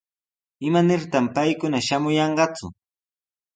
¿Imanirtaq paykuna shamuyanqaku?